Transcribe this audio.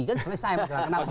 kan selesai mas